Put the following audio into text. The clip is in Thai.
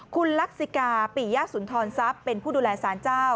คุณลักษิกาปิยสุนทรทรัพย์เป็นผู้ดูแลสารเจ้า